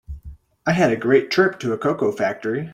I had a great trip to a cocoa factory.